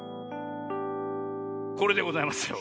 これでございますよ。